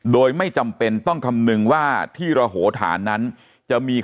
โดยไม่จำเป็นต้องคำนึงว่าที่ระโหฐานนั้นจะมี